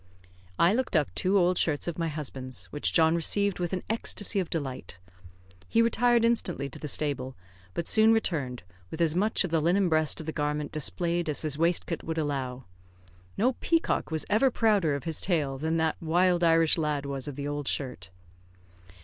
I looked up two old shirts of my husband's, which John received with an ecstacy of delight. He retired instantly to the stable, but soon returned, with as much of the linen breast of the garment displayed as his waistcoat would allow. No peacock was ever prouder of his tail than the wild Irish lad was of the old shirt.